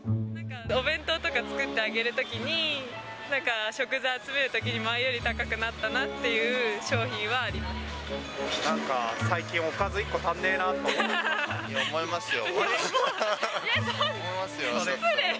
お弁当とか作ってあげるときに、なんか食材集めるときに、前より高くなったなっていう商品なんか、最近、いや、思いますよ。